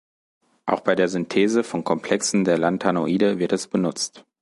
Auch bei der Synthese von Komplexen der Lanthanoide wird es benutzt.